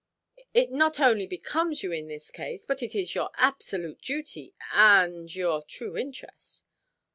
"It not only becomes you in this case, but it is your absolute duty, and—and your true interest."